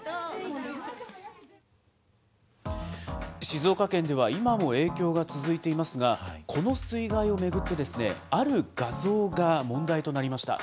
静岡県では、今も影響が続いていますが、この水害を巡って、ある画像が問題となりました。